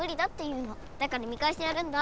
だから見かえしてやるんだ。